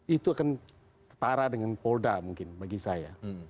itu akan setara dengan polda mungkin bagi saya